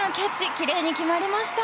きれいに決まりました。